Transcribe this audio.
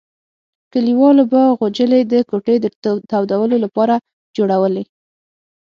کلیوالو به غوجلې د کوټې د تودولو لپاره جوړولې.